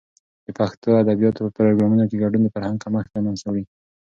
د پښتو ادبیاتو په پروګرامونو کې ګډون، د فرهنګ کمښت د منځه وړي.